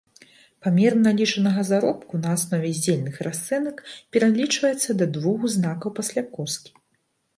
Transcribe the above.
Памер налічанага заробку на аснове здзельных расцэнак пералічваецца да двух знакаў пасля коскі.